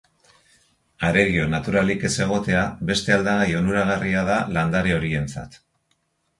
Arerio naturalik ez egotea beste aldagai onuragarria da landare horientzat.